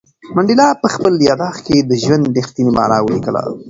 منډېلا په خپل یادښت کې د ژوند رښتینې مانا ولیکله.